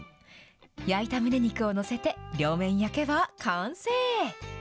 焼いたむね肉を載せて両面焼けば完成。